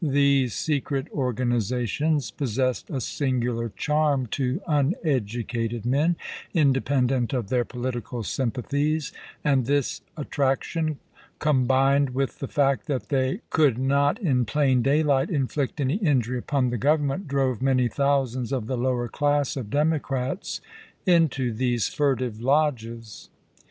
These secret organizations possessed a singular charm to uneducated men, independent of their political sympathies; and this attraction, combined with the fact that they could not in plain daylight inflict any injury upon the Government, drove many thousands of the lower class of Democrats into these furtive lodges.